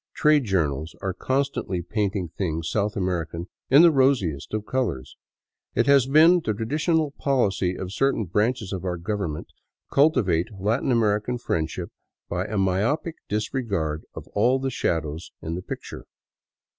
Trade journals are constantly painting things South American in the rosiest of colors. It has been the tra ditional policy of certain branches of our government to cultivate Latin American friendship by a myopic disregard of all the shadows in the picture.